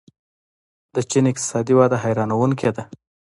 د چین اقتصادي وده حیرانوونکې ده.